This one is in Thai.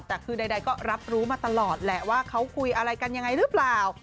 แต่คือใดก็รับรู้มาตลอดแหละว่าเขาคุยอะไรกันยังไงหรือเปล่า